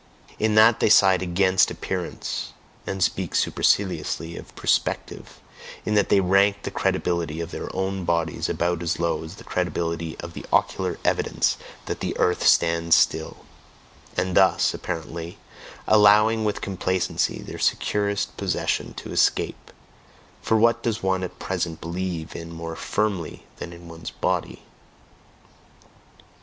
In that they side AGAINST appearance, and speak superciliously of "perspective," in that they rank the credibility of their own bodies about as low as the credibility of the ocular evidence that "the earth stands still," and thus, apparently, allowing with complacency their securest possession to escape (for what does one at present believe in more firmly than in one's body?)